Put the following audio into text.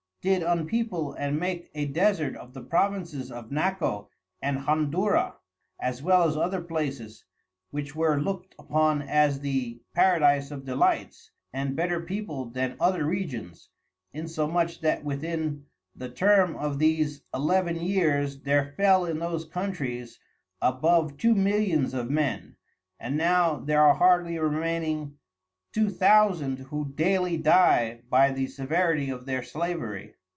did unpeople and make a Desert of the Provinces of Naco and Hondura (as well as other places) which were lookt upon as the Paradise of delights, and better peopled then other Regions; insomuch that within the Term of these eleven years there fell in those Countries above two Millions of Men, and now there are hardly remaining Two Thousand, who dayly dye by the severity of their Slavery.